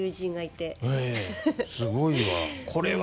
すごいわ。